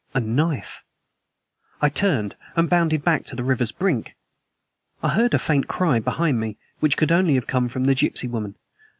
A knife! I turned and bounded back to the river's brink. I heard a faint cry behind me, which could only have come from the gypsy woman.